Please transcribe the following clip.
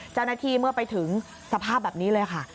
เจ้าหน้าที่เมื่อไปถึงสภาพแบบนี้เลยค่ะ